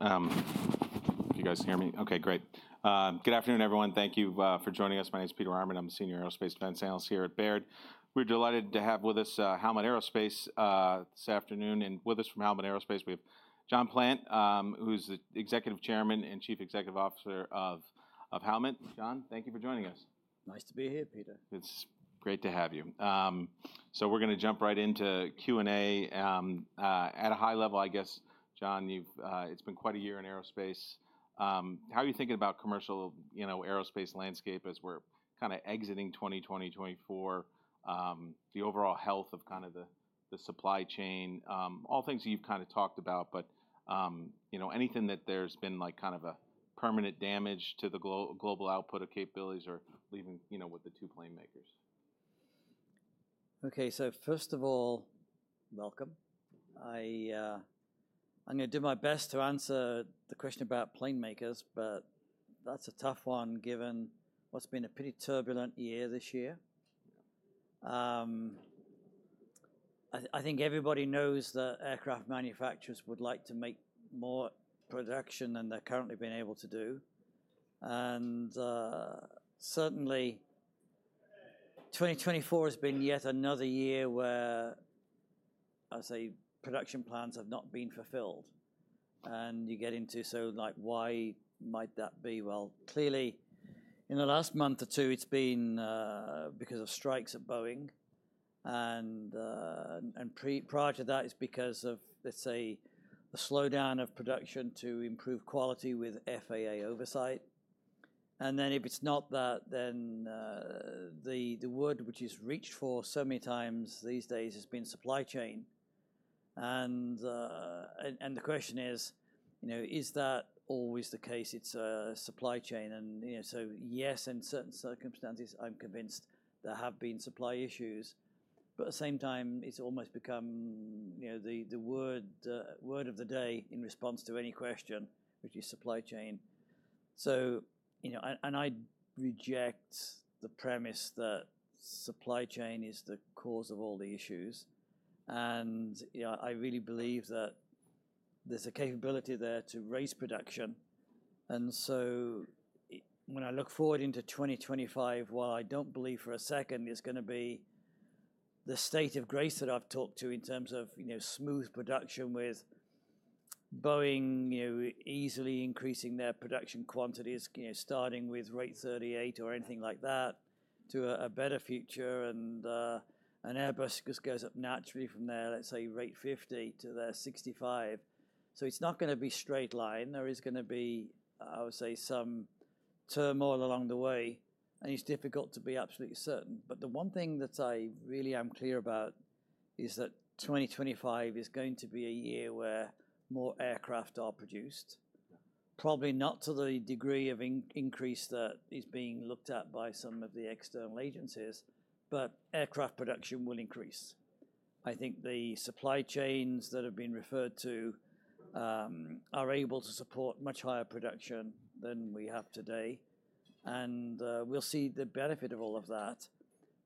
Thanks. Do you guys hear me? Okay, great. Good afternoon, everyone. Thank you for joining us. My name is Peter Arment. I'm the Senior Aerospace Analyst here at Baird. We're delighted to have with us Howmet Aerospace this afternoon. With us from Howmet Aerospace, we have John Plant, who's the Executive Chairman and Chief Executive Officer of Howmet. John, thank you for joining us. Nice to be here, Peter. It's great to have you. So we're gonna jump right into Q&A. At a high level, I guess, John, you've, it's been quite a year in aerospace. How are you thinking about commercial, you know, aerospace landscape as we're kind of exiting 2020, 2024? The overall health of kind of the supply chain, all things that you've kind of talked about, but, you know, anything that there's been like kind of a permanent damage to the global output of capabilities or leaving, you know, with the two plane makers? Okay, so first of all, welcome. I'm gonna do my best to answer the question about plane makers, but that's a tough one given what's been a pretty turbulent year this year. I think everybody knows that aircraft manufacturers would like to make more production than they're currently being able to do, and certainly, 2024 has been yet another year where, I'd say, production plans have not been fulfilled, and you get into, so like, why might that be, well, clearly, in the last month or two, it's been because of strikes at Boeing, and prior to that, it's because of, let's say, the slowdown of production to improve quality with FAA oversight, and then if it's not that, then the word which is reached for so many times these days has been supply chain. The question is, you know, is that always the case? It's supply chain. And, you know, so yes, in certain circumstances, I'm convinced there have been supply issues. But at the same time, it's almost become, you know, the word of the day in response to any question, which is supply chain. So, you know, and I reject the premise that supply chain is the cause of all the issues. And, you know, I really believe that there's a capability there to raise production. And so when I look forward into 2025, while I don't believe for a second there's gonna be the state of grace that I've talked to in terms of, you know, smooth production with Boeing, you know, easily increasing their production quantities, you know, starting with rate 38 or anything like that to a better future. Airbus just goes up naturally from there, let's say, rate 50 to their 65. It's not gonna be straight line. There is gonna be, I would say, some turmoil along the way, and it's difficult to be absolutely certain. The one thing that I really am clear about is that 2025 is going to be a year where more aircraft are produced, probably not to the degree of increase that is being looked at by some of the external agencies, but aircraft production will increase. I think the supply chains that have been referred to are able to support much higher production than we have today. We'll see the benefit of all of that,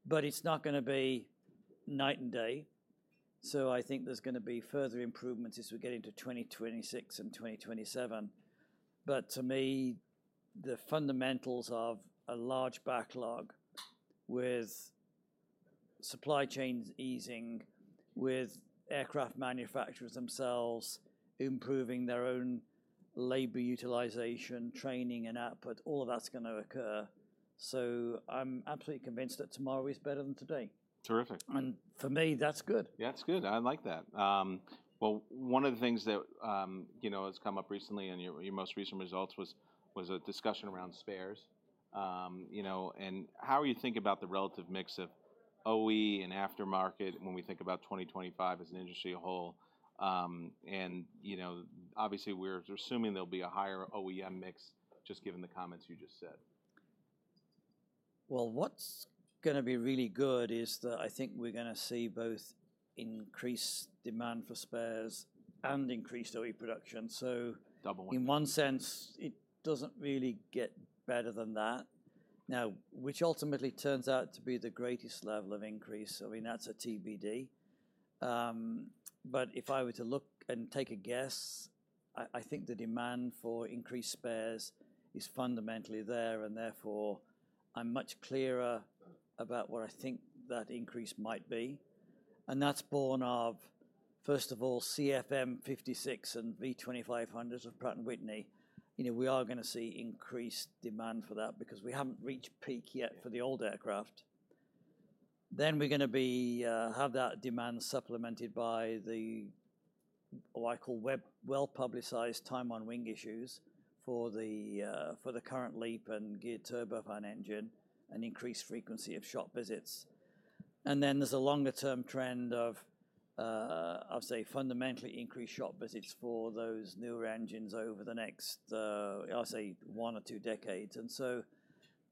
but it's not gonna be night and day. I think there's gonna be further improvements as we get into 2026 and 2027. But to me, the fundamentals of a large backlog with supply chains easing, with aircraft manufacturers themselves improving their own labor utilization, training, and output, all of that's gonna occur. So I'm absolutely convinced that tomorrow is better than today. Terrific. For me, that's good. Yeah, that's good. I like that. Well, one of the things that, you know, has come up recently in your most recent results was a discussion around spares. You know, and how are you thinking about the relative mix of OE and aftermarket when we think about 2025 as the industry as a whole? And, you know, obviously, we're assuming there'll be a higher OEM mix just given the comments you just said. What's gonna be really good is that I think we're gonna see both increased demand for spares and increased OE production. So. Double one. In one sense, it doesn't really get better than that. Now, which ultimately turns out to be the greatest level of increase. I mean, that's a TBD. But if I were to look and take a guess, I think the demand for increased spares is fundamentally there, and therefore, I'm much clearer about what I think that increase might be. And that's borne of, first of all, CFM56 and V2500s of Pratt & Whitney. You know, we are gonna see increased demand for that because we haven't reached peak yet for the old aircraft. Then we're gonna have that demand supplemented by the, what I call, well-publicized time on wing issues for the current LEAP and Geared Turbofan engine and increased frequency of shop visits. And then there's a longer-term trend of, I would say, fundamentally increased shop visits for those newer engines over the next, I would say, one or two decades. And so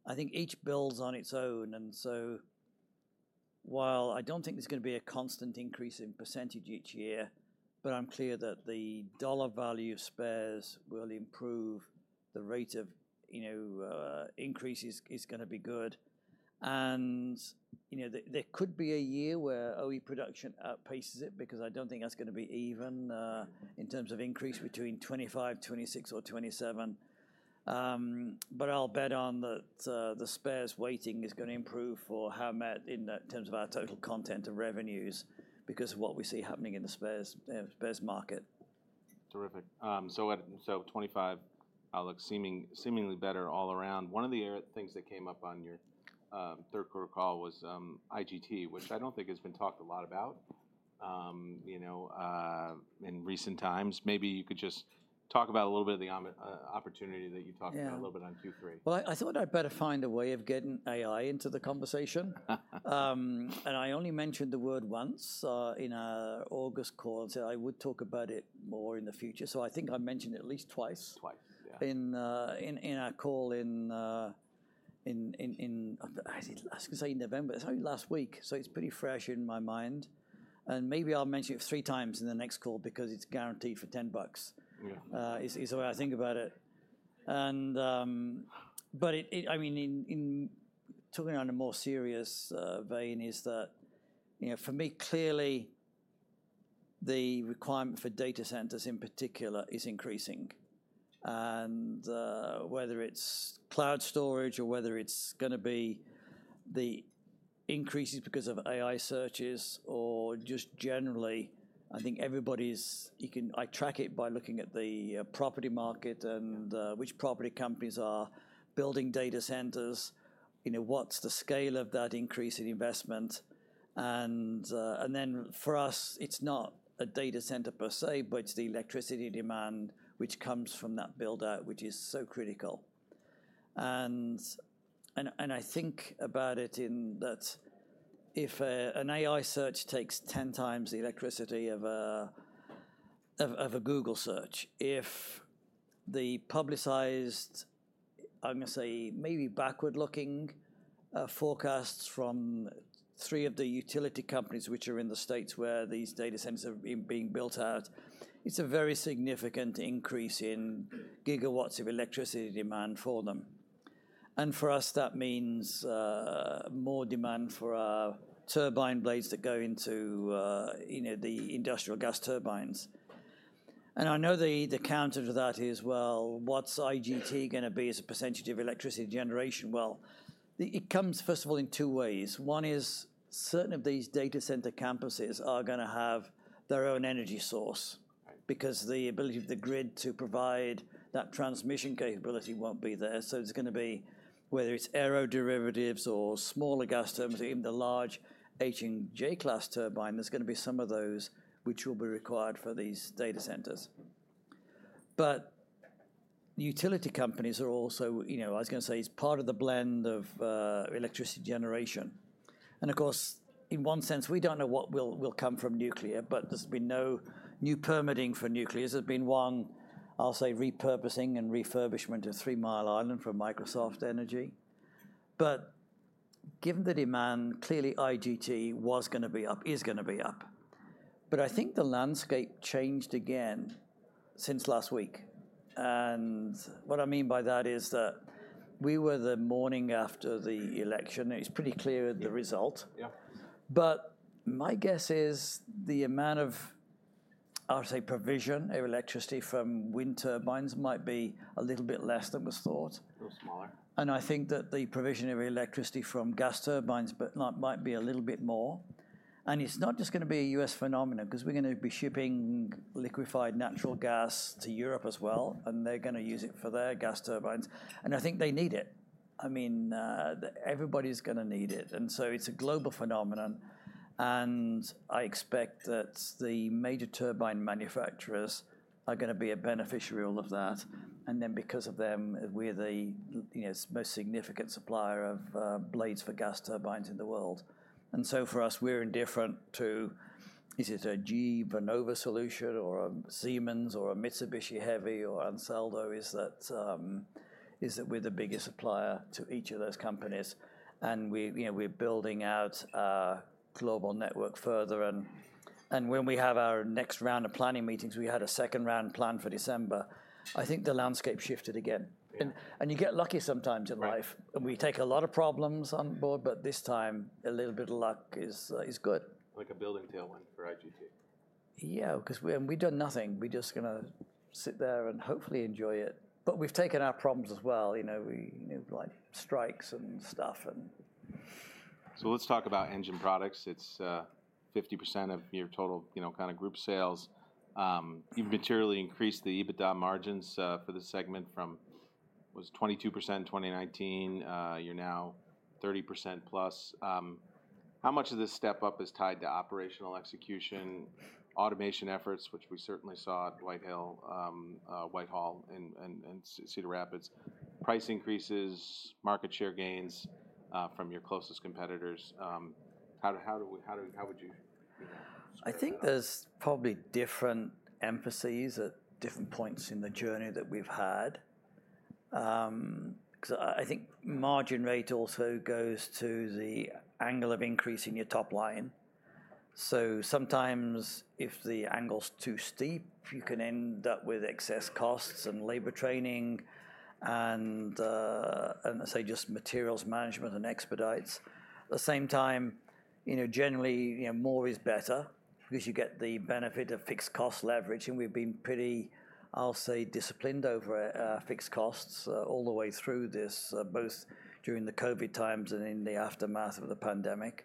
I think each builds on its own. And so while I don't think there's gonna be a constant increase in percentage each year, but I'm clear that the dollar value of spares will improve. The rate of, you know, increase is, is gonna be good. And, you know, there, there could be a year where OE production paces it because I don't think that's gonna be even, in terms of increase between 2025, 2026, or 2027. But I'll bet on that, the spares weighting is gonna improve for Howmet in terms of our total content of revenues because of what we see happening in the spares, spares market. Terrific. 2025 looks seemingly better all around. One of the things that came up on your third quarter call was IGT, which I don't think has been talked about a lot, you know, in recent times. Maybe you could just talk about a little bit of the opportunity that you talked about a little bit on Q3. Yeah. Well, I thought I'd better find a way of getting AI into the conversation, and I only mentioned the word once, in our August call, and said I would talk about it more in the future, so I think I mentioned it at least twice. Twice. Yeah. In our call, I was gonna say in November. It's only last week, so it's pretty fresh in my mind, and maybe I'll mention it three times in the next call because it's guaranteed for $10. Yeah. is the way I think about it. But it, I mean, in talking on a more serious vein is that, you know, for me, clearly, the requirement for data centers in particular is increasing. And whether it's cloud storage or whether it's gonna be the increases because of AI searches or just generally, I think everybody's, you can, I track it by looking at the property market and which property companies are building data centers, you know, what's the scale of that increase in investment. And then for us, it's not a data center per se, but it's the electricity demand which comes from that buildout, which is so critical. I think about it in that if an AI search takes 10 times the electricity of a Google search, if the publicized, I'm gonna say, maybe backward-looking, forecasts from three of the utility companies which are in the states where these data centers have been built out, it's a very significant increase in gigawatts of electricity demand for them. And for us, that means more demand for our turbine blades that go into, you know, the industrial gas turbines. And I know the counter to that is, well, what's IGT gonna be as a percentage of electricity generation? Well, it comes, first of all, in two ways. One is certain of these data center campuses are gonna have their own energy source because the ability of the grid to provide that transmission capability won't be there. So it's gonna be whether it's aero derivatives or small gas turbines, even the large H-class and J-class turbines, there's gonna be some of those which will be required for these data centers. But utility companies are also, you know, I was gonna say it's part of the blend of electricity generation. And of course, in one sense, we don't know what will come from nuclear, but there's been no new permitting for nuclear. There's been one, I'll say, repurposing and refurbishment of Three Mile Island from Microsoft Energy. But given the demand, clearly IGT was gonna be up, is gonna be up. But I think the landscape changed again since last week. And what I mean by that is that we were the morning after the election. It's pretty clear the result. Yeah. But my guess is the amount of, I would say, provision of electricity from wind turbines might be a little bit less than was thought. A little smaller. I think that the provision of electricity from gas turbines might be a little bit more. It's not just gonna be a U.S. phenomenon 'cause we're gonna be shipping liquefied natural gas to Europe as well, and they're gonna use it for their gas turbines. I think they need it. I mean, everybody's gonna need it. So it's a global phenomenon. I expect that the major turbine manufacturers are gonna be a beneficiary of all of that. Then because of them, we're the, you know, most significant supplier of blades for gas turbines in the world. So for us, we're indifferent to is it a GE Vernova solution, or a Siemens, or a Mitsubishi Heavy, or Ansaldo? That is, we're the biggest supplier to each of those companies. We, you know, we're building out our global network further. When we have our next round of planning meetings, we had a second round planned for December. I think the landscape shifted again. You get lucky sometimes in life. We take a lot of problems on board, but this time, a little bit of luck is good. Like a building tailwind for IGT. Yeah, 'cause we're, and we've done nothing. We're just gonna sit there and hopefully enjoy it. But we've taken our problems as well. You know, we, you know, like strikes and stuff and. So let's talk about engine products. It's 50% of your total, you know, kind of group sales. You've materially increased the EBITDA margins for the segment from 22% in 2019. You're now 30% plus. How much of this step-up is tied to operational execution, automation efforts, which we certainly saw at Whitehall in Cedar Rapids, price increases, market share gains from your closest competitors? How would you, you know? I think there's probably different emphases at different points in the journey that we've had. 'Cause I, I think margin rate also goes to the angle of increasing your top line. So sometimes if the angle's too steep, you can end up with excess costs and labor training and, and I say just materials management and expedites. At the same time, you know, generally, you know, more is better 'cause you get the benefit of fixed cost leverage. And we've been pretty, I'll say, disciplined over fixed costs, all the way through this, both during the COVID times and in the aftermath of the pandemic.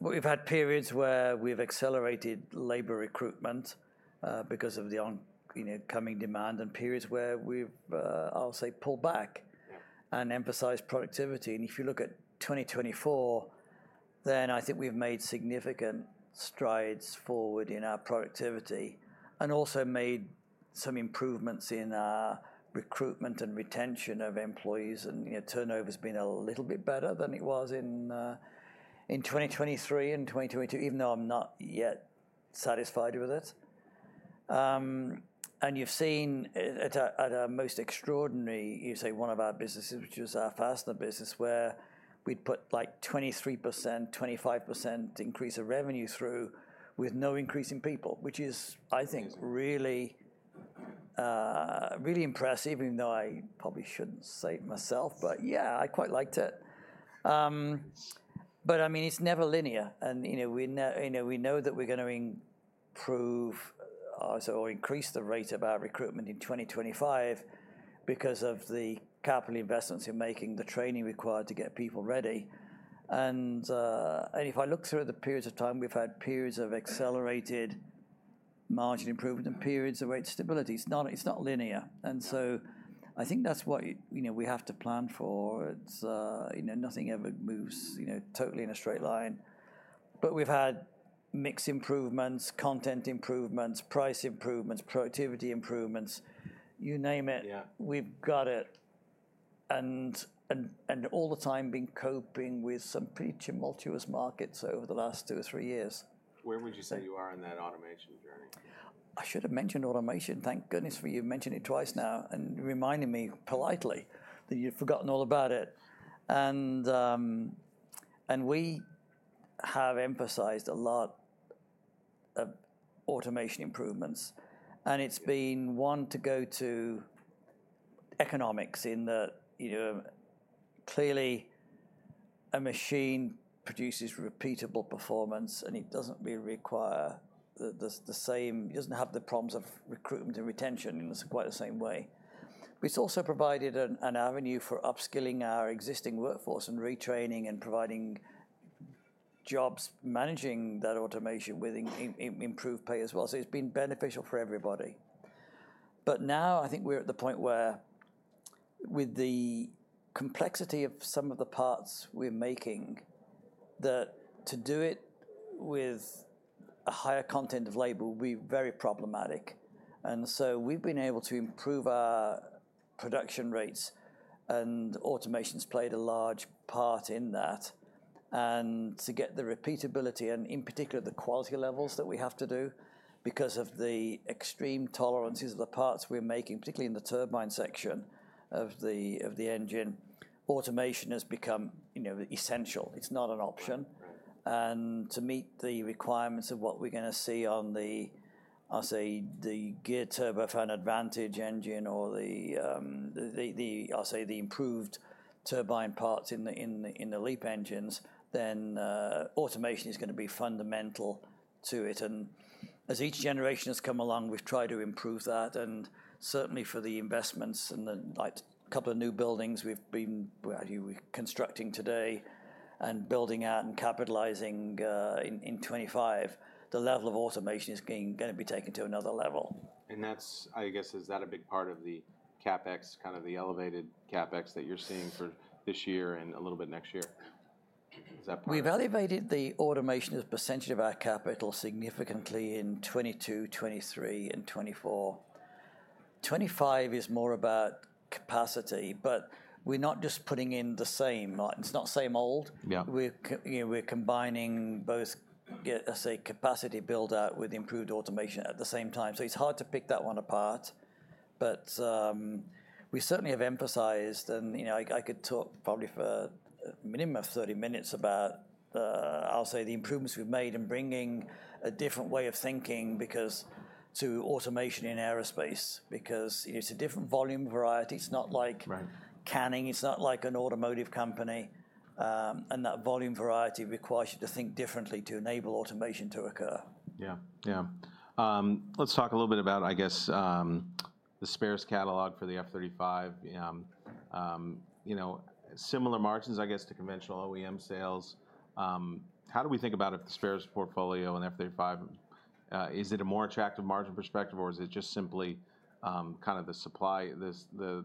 We've had periods where we've accelerated labor recruitment, because of the oncoming, you know, demand and periods where we've, I'll say, pulled back and emphasized productivity. And if you look at 2024, then I think we've made significant strides forward in our productivity and also made some improvements in our recruitment and retention of employees. And, you know, turnover's been a little bit better than it was in 2023 and 2022, even though I'm not yet satisfied with it. And you've seen at a most extraordinary, you say, one of our businesses, which was our fastener business, where we'd put like 23%-25% increase of revenue through with no increase in people, which is, I think, really, really impressive, even though I probably shouldn't say it myself, but yeah, I quite liked it. But I mean, it's never linear. You know, we know that we're gonna improve, or increase the rate of our recruitment in 2025 because of the capital investments in making the training required to get people ready. If I look through the periods of time, we've had periods of accelerated margin improvement and periods of rate stability. It's not linear, so I think that's what, you know, we have to plan for. It's, you know, nothing ever moves, you know, totally in a straight line, but we've had mixed improvements, content improvements, price improvements, productivity improvements, you name it. Yeah. We've got it. And all the time been coping with some pretty tumultuous markets over the last two or three years. Where would you say you are in that automation journey? I should have mentioned automation. Thank goodness for you mentioning it twice now and reminding me politely that you've forgotten all about it. And we have emphasized a lot of automation improvements. And it's been one to go to economics in that, you know, clearly a machine produces repeatable performance, and it doesn't really require the same, doesn't have the problems of recruitment and retention in quite the same way. But it's also provided an avenue for upskilling our existing workforce and retraining and providing jobs managing that automation with improved pay as well. So it's been beneficial for everybody. But now I think we're at the point where with the complexity of some of the parts we're making, that to do it with a higher content of labor will be very problematic. And so we've been able to improve our production rates, and automation's played a large part in that. And to get the repeatability and in particular the quality levels that we have to do because of the extreme tolerances of the parts we're making, particularly in the turbine section of the engine, automation has become, you know, essential. It's not an option. Right. And to meet the requirements of what we're gonna see on the, I'll say, the Geared Turbofan Advantage engine or the, I'll say, the improved turbine parts in the LEAP engines, then, automation is gonna be fundamental to it. And as each generation has come along, we've tried to improve that. And certainly for the investments and the like a couple of new buildings we're actually constructing today and building out and capitalizing, in 2025, the level of automation is gonna be taken to another level. That's, I guess, is that a big part of the CapEx, kind of the elevated CapEx that you're seeing for this year and a little bit next year? Is that part? We've elevated the automation as percentage of our capital significantly in 2022, 2023, and 2024. 2025 is more about capacity, but we're not just putting in the same, it's not same old. Yeah. We're, you know, we're combining both, I say, capacity buildout with improved automation at the same time. So it's hard to pick that one apart. But we certainly have emphasized, and, you know, I could talk probably for a minimum of 30 minutes about, I'll say, the improvements we've made in bringing a different way of thinking because to automation in aerospace, because, you know, it's a different volume variety. It's not like. Right. Casting. It's not like an automotive company, and that volume variety requires you to think differently to enable automation to occur. Yeah. Yeah. Let's talk a little bit about, I guess, the spares catalog for the F-35. You know, similar margins, I guess, to conventional OEM sales. How do we think about it, the spares portfolio and F-35? Is it a more attractive margin perspective, or is it just simply kind of the supply of the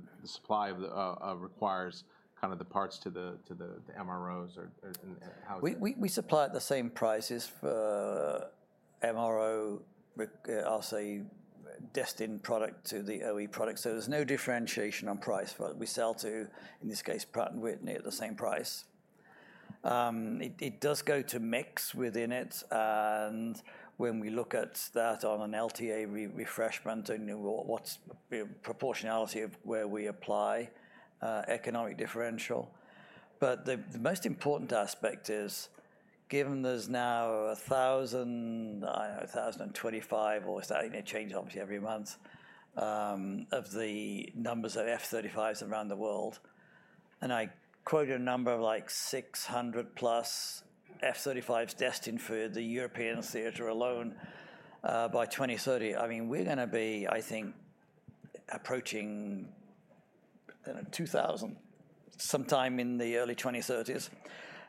parts to the MROs, or how is it? We supply at the same prices for MRO, I'll say, aftermarket product to the OE product, so there's no differentiation on price. We sell to, in this case, Pratt & Whitney at the same price. It does go to mix within it, and when we look at that on an LTA refreshment, and you know what's the proportionality of where we apply economic differential, but the most important aspect is given there's now 1,025 or starting to change obviously every month, of the numbers of F-35s around the world, and I quoted a number of like 600-plus F-35s destined for the European theater alone, by 2030. I mean, we are gonna be, I think, approaching, I don't know, 2,000 sometime in the early 2030s.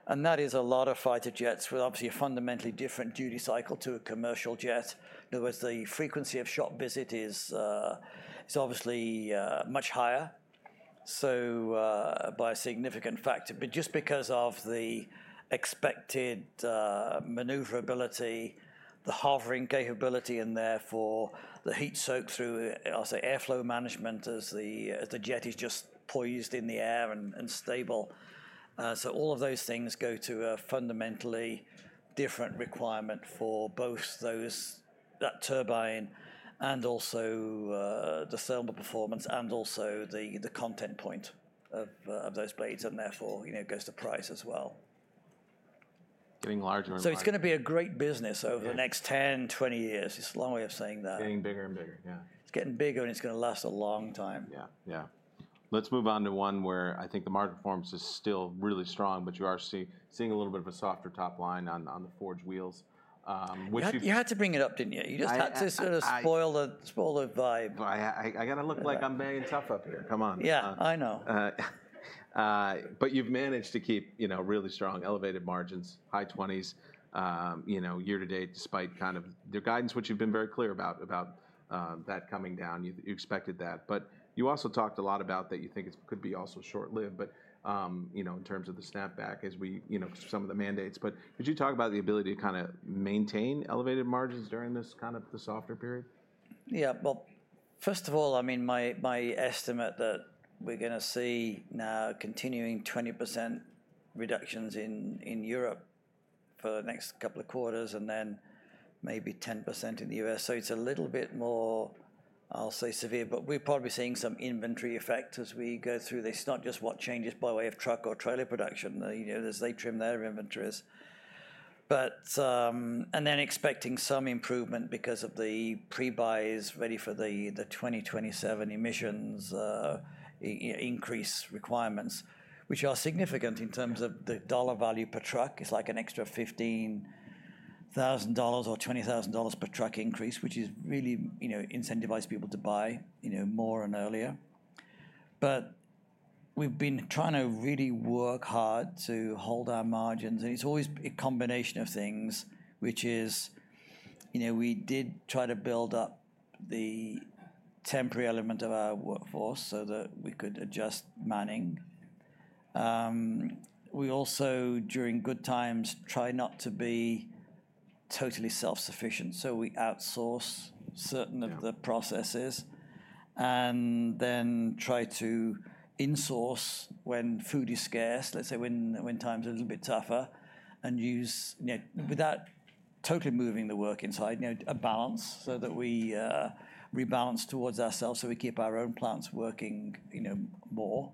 That is a lot of fighter jets with obviously a fundamentally different duty cycle to a commercial jet. In other words, the frequency of shop visit is obviously much higher. By a significant factor, but just because of the expected maneuverability, the hovering capability in there for the heat soak through, I'll say, airflow management as the jet is just poised in the air and stable. All of those things go to a fundamentally different requirement for both those that turbine and also the thermal performance and also the content point of those blades. Therefore, you know, it goes to price as well. Getting larger and larger. So it's gonna be a great business over the next 10, 20 years. It's a long way of saying that. Getting bigger and bigger. Yeah. It's getting bigger and it's gonna last a long time. Yeah. Yeah. Let's move on to one where I think the margin performance is still really strong, but you are seeing a little bit of a softer top line on the forged wheels, which you. You had to bring it up, didn't you? You just had to sort of spoil the vibe. I gotta look like I'm banging tough up here. Come on. Yeah, I know. But you've managed to keep, you know, really strong elevated margins, high twenties, you know, year to date, despite kind of their guidance, which you've been very clear about, that coming down. You expected that. But you also talked a lot about that you think it could be also short-lived, but, you know, in terms of the snapback as we, you know, some of the mandates. But could you talk about the ability to kind of maintain elevated margins during this kind of softer period? Yeah. Well, first of all, I mean, my estimate that we're gonna see now continuing 20% reductions in Europe for the next couple of quarters and then maybe 10% in the US. So it's a little bit more, I'll say severe, but we're probably seeing some inventory effect as we go through this. It's not just what changes by way of truck or trailer production, you know, as they trim their inventories. But, and then expecting some improvement because of the prebuys ready for the 2027 emissions increase requirements, which are significant in terms of the dollar value per truck. It's like an extra $15,000 or $20,000 per truck increase, which is really, you know, incentivized people to buy, you know, more and earlier. But we've been trying to really work hard to hold our margins. It's always a combination of things, which is, you know, we did try to build up the temporary element of our workforce so that we could adjust manning. We also, during good times, try not to be totally self-sufficient. We outsource certain of the processes and then try to insource when food is scarce, let's say when times are a little bit tougher, and use, you know, without totally moving the work inside, you know, a balance so that we rebalance towards ourselves. We keep our own plants working, you know, more.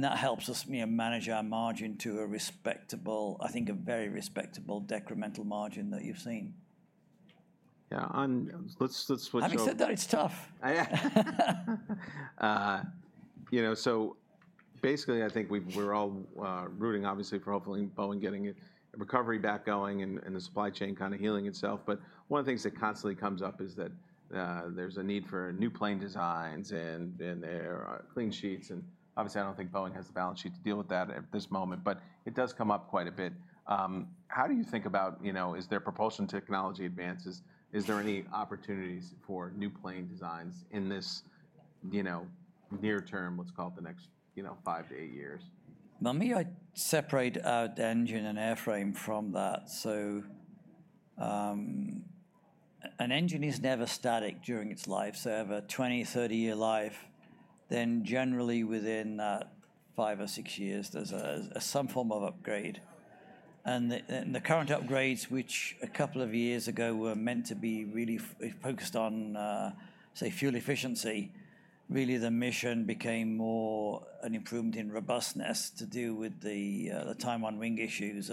Yeah. That helps us, you know, manage our margin to a respectable, I think a very respectable decremental margin that you've seen. Yeah, and let's switch over. Having said that, it's tough. Yeah. You know, so basically I think we're all rooting obviously for hopefully Boeing getting a recovery back going and the supply chain kind of healing itself. But one of the things that constantly comes up is that there's a need for new plane designs and there are clean sheets. And obviously I don't think Boeing has the balance sheet to deal with that at this moment, but it does come up quite a bit. How do you think about, you know, is there propulsion technology advances? Is there any opportunities for new plane designs in this, you know, near term, what's called the next, you know, five to eight years? Maybe I'd separate out engine and airframe from that. So, an engine is never static during its life. So over 20-30-year life, then generally within five or six years, there's some form of upgrade. And the current upgrades, which a couple of years ago were meant to be really focused on, say, fuel efficiency, really the mission became more an improvement in robustness to deal with the time on wing issues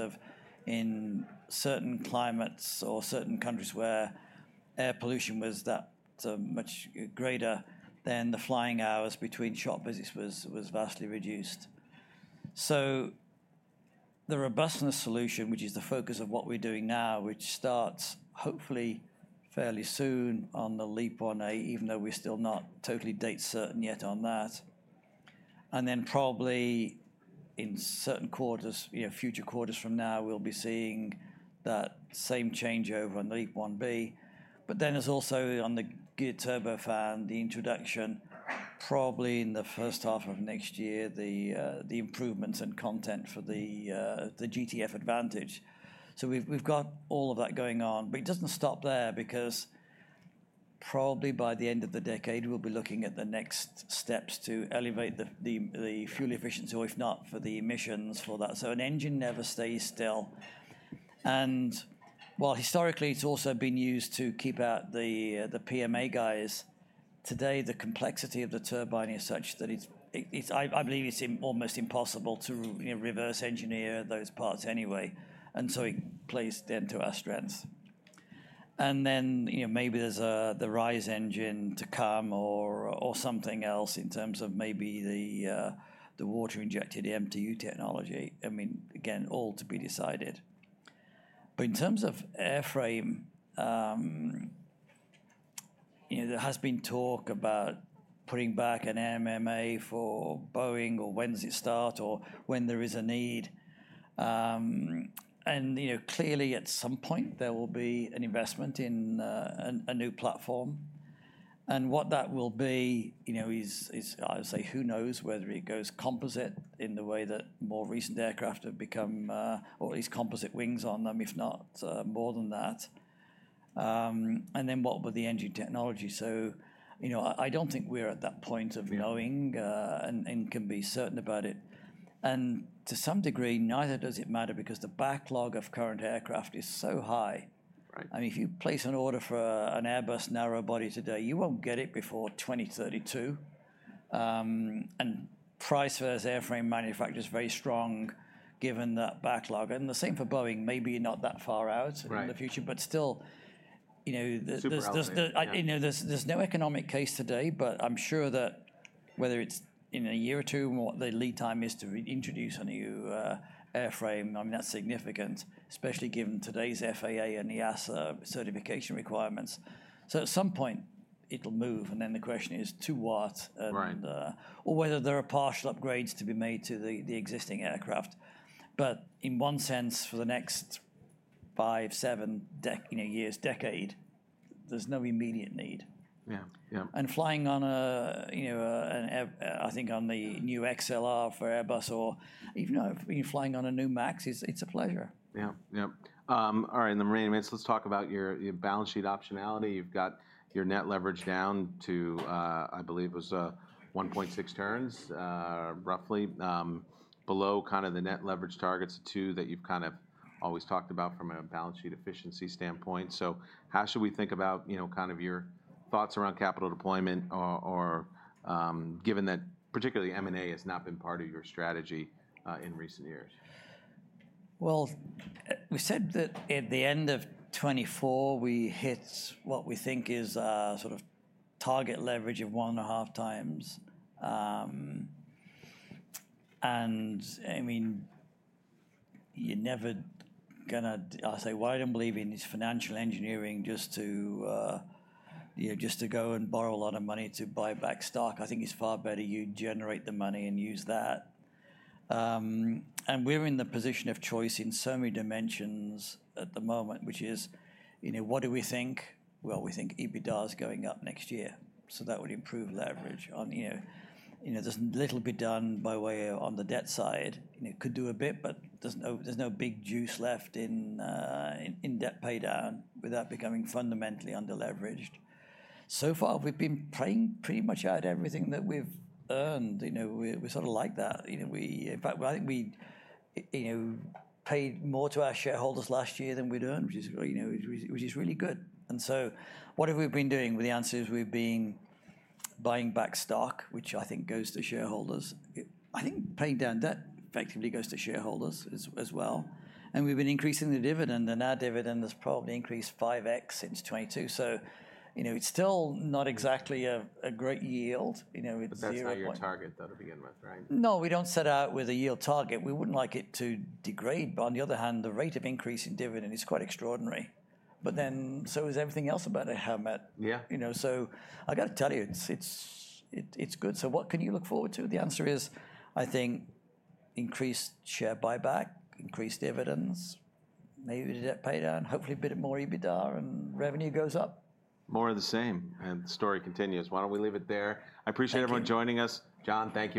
in certain climates or certain countries where air pollution was that much greater than the flying hours between shop visits was vastly reduced. So the robustness solution, which is the focus of what we are doing now, which starts hopefully fairly soon on the LEAP-1A, even though we are still not totally date certain yet on that. And then probably in certain quarters, you know, future quarters from now, we'll be seeing that same changeover on the LEAP-1B. But then there's also on the Geared Turbofan, the introduction, probably in the first half of next year, the improvements and content for the GTF Advantage. So we've got all of that going on, but it doesn't stop there because probably by the end of the decade, we'll be looking at the next steps to elevate the fuel efficiency, or if not for the emissions for that. So an engine never stays still. And while historically it's also been used to keep out the PMA guys, today the complexity of the turbine is such that it's, I believe it's almost impossible to, you know, reverse engineer those parts anyway. And so it plays then to our strengths. Then, you know, maybe there's the RISE engine to come or something else in terms of maybe the water-injected MTU technology. I mean, again, all to be decided. But in terms of airframe, you know, there has been talk about putting back an NMA for Boeing or when does it start or when there is a need. You know, clearly at some point there will be an investment in a new platform. What that will be, you know, is. I'll say who knows whether it goes composite in the way that more recent aircraft have become, or at least composite wings on them, if not, more than that. Then what with the engine technology. You know, I don't think we are at that point of knowing and can be certain about it. To some degree, neither does it matter because the backlog of current aircraft is so high. Right. I mean, if you place an order for an Airbus narrow body today, you won't get it before 2032. And the price for those airframe manufacturers is very strong given that backlog. And the same for Boeing, maybe not that far out in the future, but still, you know, there's no economic case today, but I'm sure that whether it's in a year or two or what the lead time is to introduce a new airframe, I mean, that's significant, especially given today's FAA and EASA certification requirements. So at some point it'll move. And then the question is to what and or whether there are partial upgrades to be made to the existing aircraft. But in one sense, for the next five, seven decade, you know, years, decade, there's no immediate need. Yeah. Yeah. Flying on, you know, an Airbus, I think, on the new XLR for Airbus or, you know, flying on a new MAX is a pleasure. Yeah. Yeah. All right. In the marine events, let's talk about your balance sheet optionality. You've got your net leverage down to, I believe it was, 1.6 turns, roughly, below kind of the net leverage targets of two that you've kind of always talked about from a balance sheet efficiency standpoint. So how should we think about, you know, kind of your thoughts around capital deployment or, given that particularly M&A has not been part of your strategy, in recent years? We said that at the end of 2024, we hit what we think is a sort of target leverage of one and a half times. I mean, you're never gonna, I'll say, why I don't believe in this financial engineering just to, you know, just to go and borrow a lot of money to buy back stock. I think it's far better you generate the money and use that. We are in the position of choice in so many dimensions at the moment, which is, you know, what do we think? We think EBITDA is going up next year. So that would improve leverage on, you know, you know, there's a little bit done by way of on the debt side, you know, could do a bit, but there's no, there's no big juice left in debt pay down without becoming fundamentally underleveraged. So far we've been paying pretty much out everything that we've earned. You know, we sort of like that. You know, we, in fact, I think we, you know, paid more to our shareholders last year than we'd earned, which is, you know, which is really good, and so what have we been doing? Well, the answer is we've been buying back stock, which I think goes to shareholders. I think paying down debt effectively goes to shareholders as well, and we've been increasing the dividend and our dividend has probably increased 5x since 2022. So, you know, it's still not exactly a great yield. You know, it's. That's not your target though to begin with, right? No, we don't set out with a yield target. We wouldn't like it to degrade. But on the other hand, the rate of increase in dividend is quite extraordinary. But then, so is everything else about Howmet. Yeah. You know, so I gotta tell you, it's good. So what can you look forward to? The answer is, I think increased share buyback, increased dividends, maybe the debt pay down, hopefully a bit of more EBITDA and revenue goes up. More of the same. And the story continues. Why don't we leave it there? I appreciate everyone joining us. John, thank you.